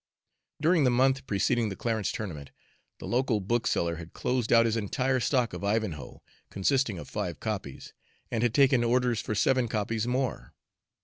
During the month preceding the Clarence tournament, the local bookseller had closed out his entire stock of "Ivanhoe," consisting of five copies, and had taken orders for seven copies more.